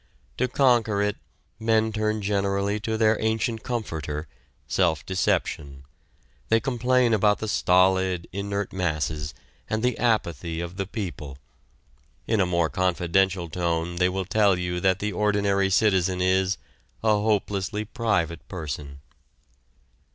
To conquer it men turn generally to their ancient comforter, self deception: they complain about the stolid, inert masses and the apathy of the people. In a more confidential tone they will tell you that the ordinary citizen is a "hopelessly private person."